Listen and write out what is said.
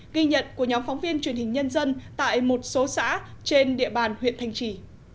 ghi nhận của nhóm phóng viên truyền hình nhân dân tại một số xã trên địa bàn huyện thanh trì